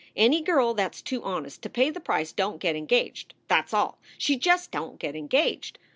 Any girl that s too honest to pay the Price don t get engaged that s all she just don t get engaged.